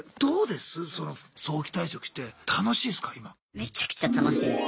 めちゃくちゃ楽しいです。